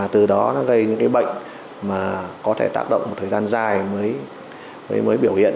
từ đó nó gây những bệnh có thể tác động một thời gian dài mới biểu hiện